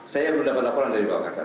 saya belum dapat laporan dari bapak kasar